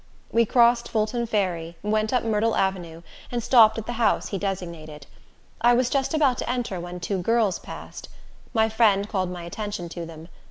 We crossed Fulton ferry, went up Myrtle Avenue, and stopped at the house he designated. I was just about to enter, when two girls passed. My friend called my attention to them.